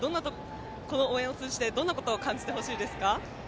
この応援を通じてどんなことを感じてほしいですか。